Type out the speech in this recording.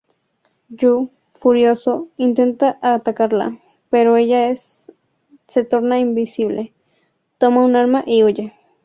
Yu, furioso, intenta atacarla, pero ella se torna invisible, toma un arma y huye.